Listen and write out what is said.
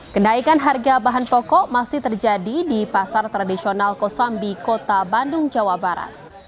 kenaikan harga bahan pokok masih terjadi di pasar tradisional kosambi kota bandung jawa barat